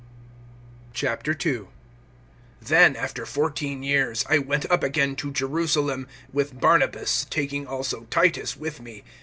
II. THEN, after fourteen years, I went up again to Jerusalem with Barnabas, taking also Titus with me.